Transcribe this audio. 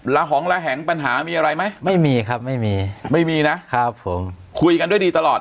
หองระแหงปัญหามีอะไรไหมไม่มีครับไม่มีไม่มีนะครับผมคุยกันด้วยดีตลอด